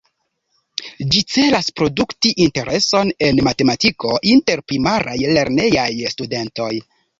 Ĝi celas produkti intereson en matematiko inter Primaraj lernejaj studentoj.